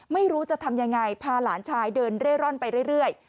ไม่รู้จะทำยังไงพาหลานชายเดินเร่ร่อนไปเรื่อย